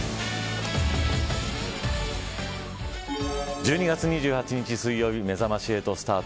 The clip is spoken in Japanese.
１２月２８日水曜日めざまし８スタート。